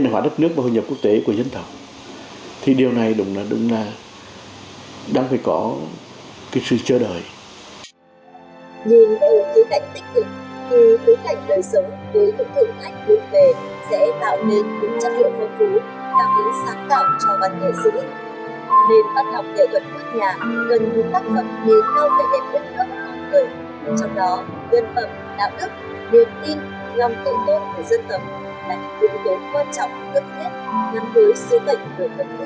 nguyên tộc mạnh lẽ sâu sắc vì tại sao nguyên văn học nghệ thuật vẫn chưa xuất hiện tác phẩm xứng tắc